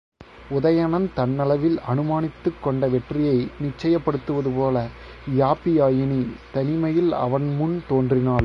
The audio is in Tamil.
உதயணன் தன்னளவில் அநுமானித்துக் கொண்ட வெற்றியை நிச்சயப்படுத்துவதுபோல யாப்பியாயினி தனிமையில் அவன் முன் தோன்றினாள்.